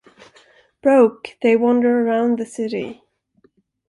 Broke, they wander around the city.